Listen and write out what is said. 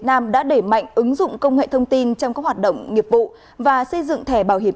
nam đã đẩy mạnh ứng dụng công nghệ thông tin trong các hoạt động nghiệp vụ và xây dựng thẻ bảo hiểm